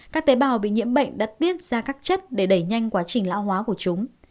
các tế bào bị nhiễm bệnh đã tiết ra các chất để đẩy nhanh quá trình lão hóa của chúng